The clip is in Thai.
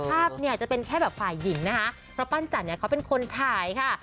แต่ในภาพจะเป็นแค่แบบฝ่ายหญิงนะฮะอาลังจันทร์ก็เป็นคนถ่ายค่ะ